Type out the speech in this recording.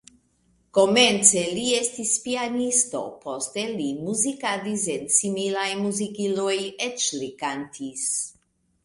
Komence li estis pianisto, poste li muzikadis en similaj muzikiloj, eĉ li kantis.